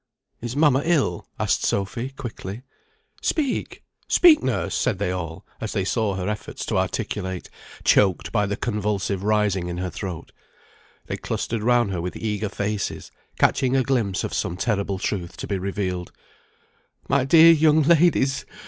"Is mamma ill?" asked Sophy, quickly. "Speak, speak, nurse!" said they all, as they saw her efforts to articulate, choked by the convulsive rising in her throat. They clustered round her with eager faces, catching a glimpse of some terrible truth to be revealed. "My dear young ladies!